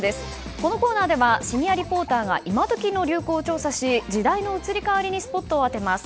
このコーナーではシニアリポーターが今時の若者や流行に迫り時代の移り変わりにスポットを当てます。